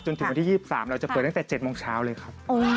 ถึงวันที่๒๓เราจะเปิดตั้งแต่๗โมงเช้าเลยครับ